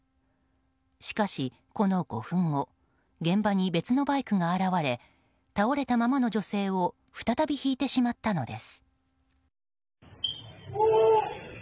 しかし、この５分後現場に別のバイクが現れ倒れたままの女性を再びひいてしまったのです。